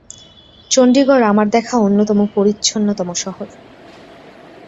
চন্ডীগড় আমার দেখা অন্যতম পরিচ্ছন্নতম শহর।